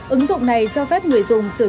ứng dụng này cho phép người dùng sử dụng miễn phí